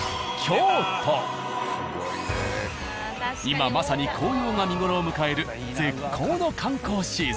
今まさに紅葉が見頃を迎える絶好の観光シーズン。